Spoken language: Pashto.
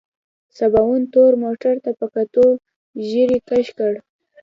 سباوون تور موټر ته په کتو ږيرې کش کړ.